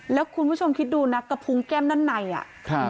แล้วคุณผู้ชมคิดดูนะกระพุงแก้มด้านในอ่ะครับ